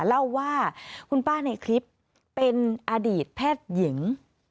เล่าว่าคุณป้าในคลิปเป็นอดีตแพทย์หญิง